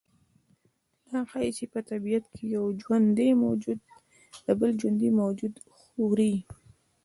دا ښیي چې په طبیعت کې یو ژوندی موجود بل ژوندی موجود خوري